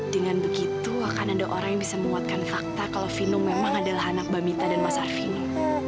dengan begitu akan ada orang yang bisa menguatkan fakta kalau vino memang adalah anak bamita dan mas arfini